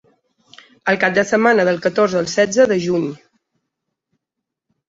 El cap de setmana del catorze al setze de Juny.